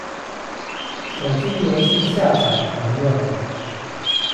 手機遊戲下載的評論